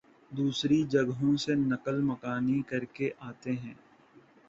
دوسری جگہوں سے نقل مکانی کرکے آتے ہیں